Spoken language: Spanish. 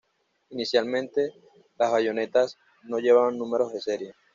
Inicialmente, las bayonetas no llevaban números de serie.